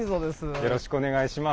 よろしくお願いします。